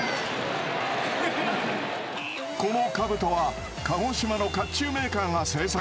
このかぶとは鹿児島のかっちゅうメーカーが製作。